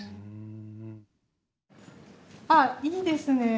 あっいいですね。